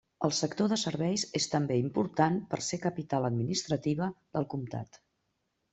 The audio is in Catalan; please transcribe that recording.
El sector de serveis és també important per ser capital administrativa del comtat.